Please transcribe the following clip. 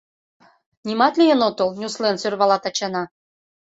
Нимат лийын отыл? — нюслен сӧрвала Тачана.